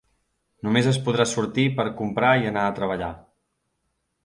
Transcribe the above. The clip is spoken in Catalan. Només es podrà sortir per a comprar i anar a treballar.